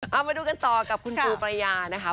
เอามาดูกันต่อกับคุณปูประยานะคะ